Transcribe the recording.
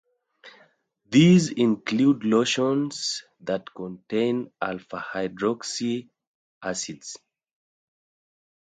These include lotions that contain alpha-hydroxy acids.